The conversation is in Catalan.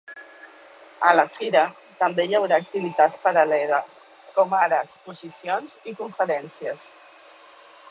A la fira també hi haurà activitats paral·leles, com ara exposicions i conferències.